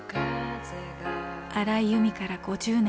荒井由実から５０年。